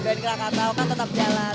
krakatau kan tetap jalan